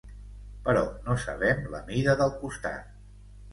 Però no sabem la mida del costat.